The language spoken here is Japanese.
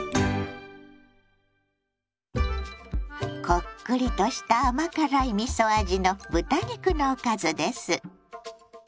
こっくりとした甘辛いみそ味の豚肉のおかずです。